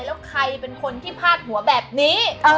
แล้วใครเป็นคนที่พาดหัวแบบนี้